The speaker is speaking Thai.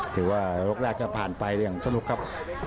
ถือว่ายกแรกจะผ่านไปอย่างสนุกครับ